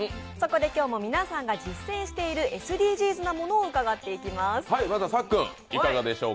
今日も皆さんが実践しているＳＤＧｓなものを伺っていきます。